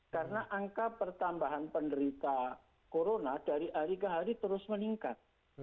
karena angka pertambahan penderita corona dari hari ke hari terus meningkat